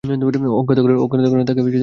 অজ্ঞাত কারণে তাকে মারধর করছে।